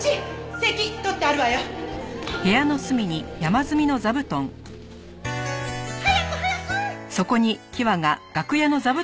席取ってあるわよ。早く早く！